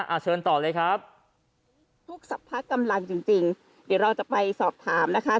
เชิญต่อเลยครับทุกสรรพกำลังจริงจริงเดี๋ยวเราจะไปสอบถามนะคะ